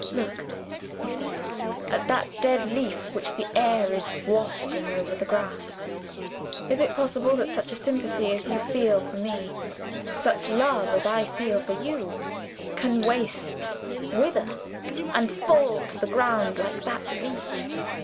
"Look," he said, "at that dead leaf which the air is wafting over the grass. Is it possible that such sympathy as you feel for Me, such love as I feel for You, can waste, wither, and fall to the ground like that leaf?